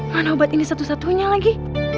karena obat ini satu satunya lagi